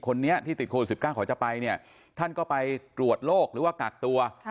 คนนี้ที่ติดโควิด๑๙เขาจะไปเนี่ยท่านก็ไปตรวจโรคหรือว่ากักตัว